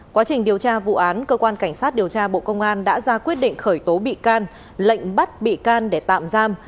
quá trình điều tra vụ án cơ quan cảnh sát điều tra bộ công an đã ra quyết định khởi tố bị can lệnh bắt bị can để tạm giam